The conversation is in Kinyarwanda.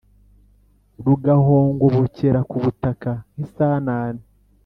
rugahongobokera ku butaka nk’isanane,